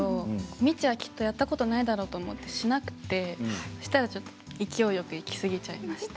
未知はやったことないだろうと思ってしなくてそしたらちょっと勢いよくいきすぎちゃいました。